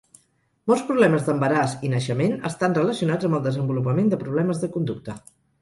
Molts problemes d'embaràs i naixement estan relacionats amb el desenvolupament de problemes de conducta.